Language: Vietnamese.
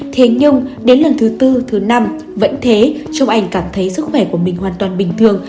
thế nhưng đến lần thứ bốn thứ năm vẫn thế trong anh cảm thấy sức khỏe của mình hoàn toàn bình thường